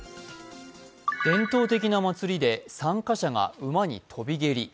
伝統的な祭りで参加者が馬に飛び蹴り。